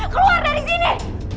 keluar dari sini